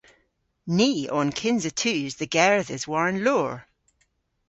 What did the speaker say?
Ni o an kynsa tus dhe gerdhes war an loor.